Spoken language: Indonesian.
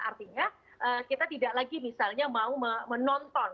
artinya kita tidak lagi misalnya mau menonton